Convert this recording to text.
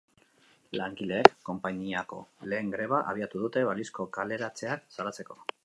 Langileek konpainiako lehen greba abiatu dute, balizko kaleratzeak salatzeko.